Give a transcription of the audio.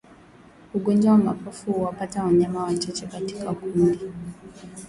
Ugonjwa wa mapafu huwapata wanyama wachache katika kundi